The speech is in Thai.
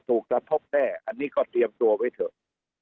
กระทบแน่อันนี้ก็เตรียมตัวไว้เถอะ